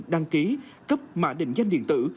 đăng ký cấp mã định danh điện tử